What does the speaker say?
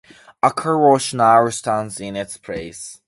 A car wash now stands in its place.